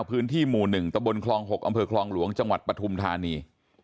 พื้นที่หมู่๑ตะบนคลอง๖อำเภอคลองหลวงจังหวัดปฐุมธานี